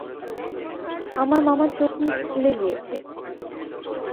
আমার মামার চোখ মুখ ফুলে গিয়েছে।